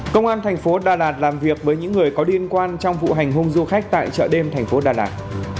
công an thành phố đà lạt làm việc với những người có liên quan trong vụ hành hung du khách tại chợ đêm thành phố đà lạt